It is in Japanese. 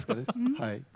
はい。